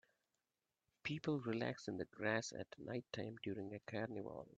People relax in the grass at nighttime during a carnival.